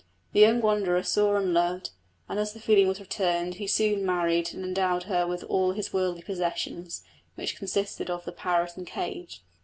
The young wanderer saw and loved, and as the feeling was returned he soon married and endowed her with all his worldly possessions, which consisted of the parrot and cage.